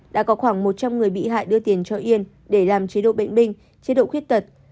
đã có khoảng một trăm linh người bị hại đưa tiền cho yên để làm chế độ bệnh binh chế độ khuyết tật